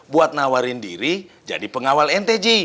buat nawarin diri jadi pengawal nt ji